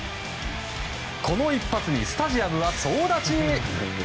この一発にスタジアムは総立ち。